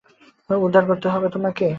উদ্ধার করতে হবে তোমাকে?